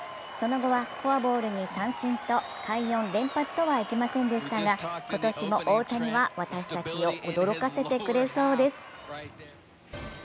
その後はフォアボールに三振と快音連発とはいきませんでしたが、今年も大谷は私たちを驚かせてくれそうです。